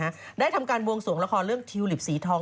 ไม่ใช่สองวันนะฮะได้ทำการวงสวงละครเรื่องทิวหลิบสีทอง